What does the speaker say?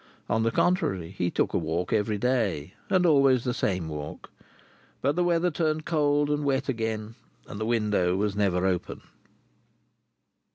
On the contrary, he took a walk every day, and always the same walk. But the weather turned cold and wet again, and the window was never open.